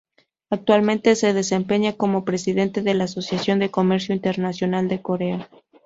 Actualmente se desempeña como presidente de la Asociación de Comercio Internacional de Corea.